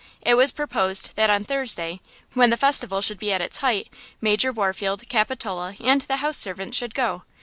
It was proposed that on Thursday, when the festival should be at its height, Major Warfield, Capitola and the house servants should go.